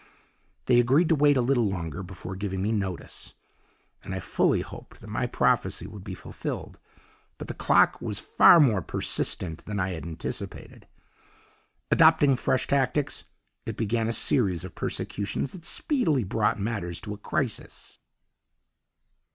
"They agreed to wait a little longer before giving me notice, and I fully hoped that my prophecy would be fulfilled. But the clock was far more persistent than I had anticipated. Adopting fresh tactics, it began a series of persecutions that speedily brought matters to a crisis.